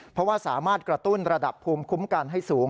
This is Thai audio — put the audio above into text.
เพราะว่าสามารถกระตุ้นระดับภูมิคุ้มกันให้สูง